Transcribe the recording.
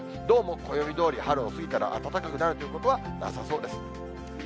どうも暦どおり、春を過ぎたら暖かくなるということはなさそうです。